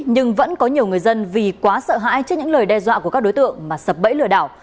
nhưng vẫn có nhiều người dân vì quá sợ hãi trước những lời đe dọa của các đối tượng mà sập bẫy lừa đảo